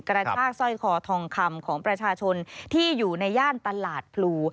กระชากสร้อยคอทองคำของประชาชนที่อยู่ในย่านตลาดพลู